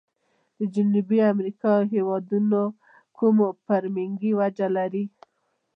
د جنوبي امريکا هیوادونو کومه فرمنګي وجه لري؟